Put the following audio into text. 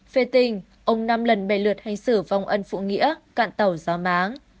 về tình ông năm lần bày lượt hành xử vong ân phụ nghĩa cạn tàu gió máng